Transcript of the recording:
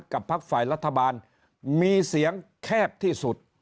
พักฝ่ายรัฐบาลมีเสียงแคบที่สุด